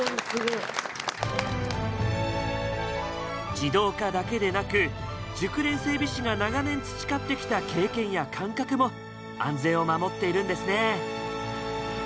自動化だけでなく熟練整備士が長年培ってきた経験や感覚も安全を守っているんですね。